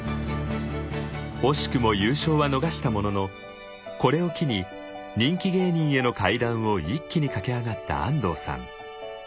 惜しくも優勝は逃したもののこれを機に人気芸人への階段を一気に駆け上がった安藤さん。